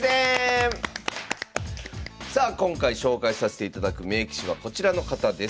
今回紹介させていただく名棋士はこちらの方です。